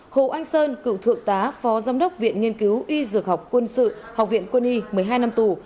hồ anh sơn cựu thượng tá phó giám đốc viện nghiên cứu y dược học quân sự học viện quân y một mươi hai năm tù